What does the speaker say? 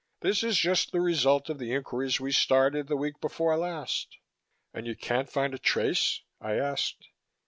This is just the result of the inquiries we started the week before last." "And you can't find a trace?" I asked.